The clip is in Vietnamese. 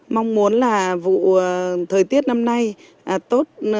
mong muốn là vụ thời tiết năm nay tốt